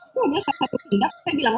itu adalah salah satu tindak saya bilang